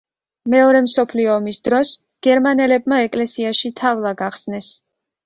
მეორე მსოფლიო ომის დროს გერმანელებმა ეკლესიაში თავლა გახსნეს.